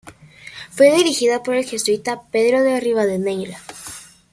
Fue dirigida por el jesuita Pedro de Ribadeneyra.